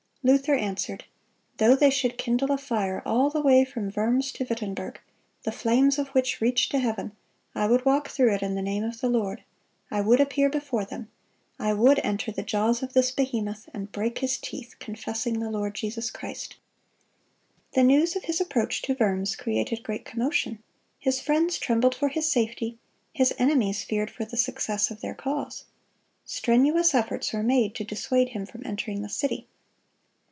Luther answered, "Though they should kindle a fire all the way from Worms to Wittenberg, the flames of which reached to heaven, I would walk through it in the name of the Lord; I would appear before them; I would enter the jaws of this behemoth, and break his teeth, confessing the Lord Jesus Christ."(209) The news of his approach to Worms created great commotion. His friends trembled for his safety; his enemies feared for the success of their cause. Strenuous efforts were made to dissuade him from entering the city.